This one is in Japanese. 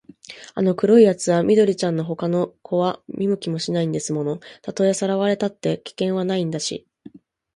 あの黒いやつは緑ちゃんのほかの子は見向きもしないんですもの。たとえさらわれたって、危険はないんだし、